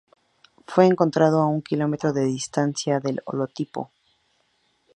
Fue encontrado a un kilómetro de distancia del holotipo.